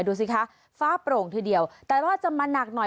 ดูสิคะฟ้าโปร่งทีเดียวแต่ว่าจะมาหนักหน่อย